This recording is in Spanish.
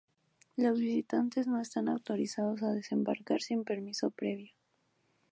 Los visitantes no están autorizados a desembarcar sin permiso previo.